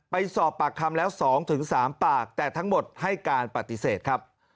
ไปสอบปากคำแล้ว๒๓ปากแต่ทั้งหมดให้การปฏิเสธครับ